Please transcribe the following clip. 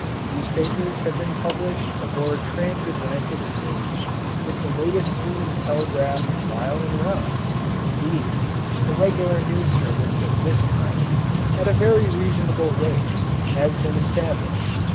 Newspapers have been published aboard transatlantic steamers with the latest news telegraphed while en route; indeed, a regular news service of this kind, at a very reasonable rate, has been established.